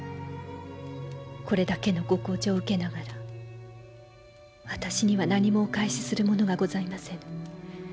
これだけのご厚情を受けながら私には何もお返しするものがございませぬ。